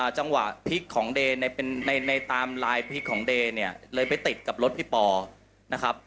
จังหวะพลิกของเดย์ในตามลายพลิกของเดย์เนี่ยเลยไปติดกับรถพี่ปอนะครับ